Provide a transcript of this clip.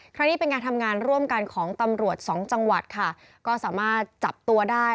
ครั้งนี้เป็นการทำงานร่วมกันของตำรวจสองจังหวัดค่ะก็สามารถจับตัวได้